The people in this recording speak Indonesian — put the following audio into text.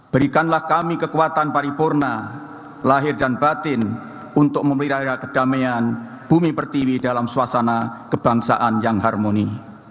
berikanlah kami kekuatan paripurna lahir dan batin untuk memelihara kedamaian bumi pertiwi dalam suasana kebangsaan yang harmoni